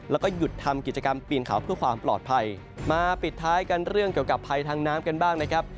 แล้วก็หยุดทำกิจกรรมปีนเขาเพื่อความปลอดภัยมาปิดท้ายกันเรื่องเกี่ยวกับภัยทางน้ำกันบ้างนะครับ